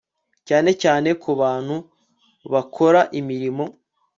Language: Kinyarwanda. cyane cyane ku bantu bakora imirimo